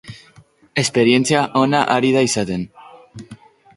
Esperientzia ona ari da izaten.